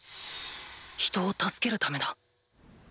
人を助けるためだ。